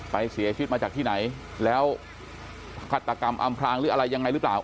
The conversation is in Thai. เสียชีวิตมาจากที่ไหนแล้วฆาตกรรมอำพลางหรืออะไรยังไงหรือเปล่า